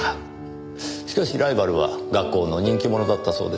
しかしライバルは学校の人気者だったそうですね。